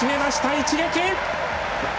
一撃！